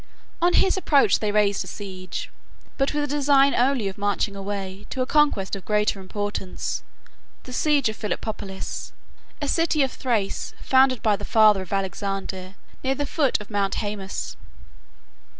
30 On his approach they raised the siege, but with a design only of marching away to a conquest of greater importance, the siege of Philippopolis, a city of Thrace, founded by the father of Alexander, near the foot of Mount Hæmus.